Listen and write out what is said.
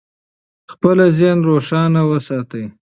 خپل ذهن روښانه وساتئ.